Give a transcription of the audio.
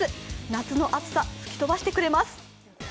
夏の暑さ、吹き飛ばしてくれます。